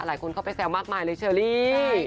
เข้าไปแซวมากมายเลยเชอรี่